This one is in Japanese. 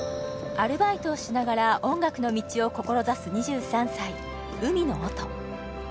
アルバイトをしながら音楽の道を志す２３歳海野音